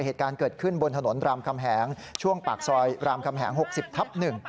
เหตุการณ์เกิดขึ้นบนถนนรามคำแหงช่วงปากซอยรามคำแหง๖๐ทับ๑